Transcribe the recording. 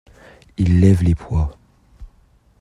Il lève les poids.